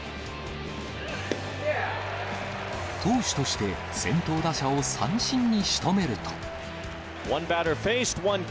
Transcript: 投手として、先頭打者を三振にしとめると。